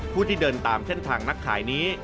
ที่เดินตามเส้นทางนักขายนี้